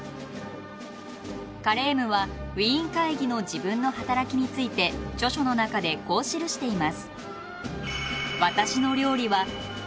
カレームはウィーン会議の自分の働きについて著書の中でこう記しています。